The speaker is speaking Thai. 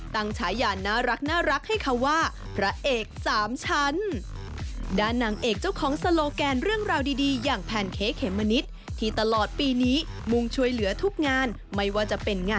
ฉายานน่ารักให้เขาว่าพระเอกสามชั้น